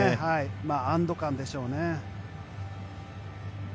安ど感でしょうね。